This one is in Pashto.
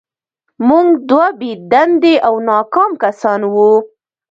موږ دوه بې دندې او ناکام کسان وو